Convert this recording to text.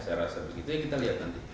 saya rasa begitu ya kita lihat nanti